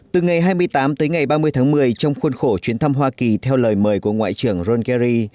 từ ngày hai mươi tám tới ngày ba mươi tháng một mươi trong khuôn khổ chuyến thăm hoa kỳ theo lời mời của ngoại trưởng rolkery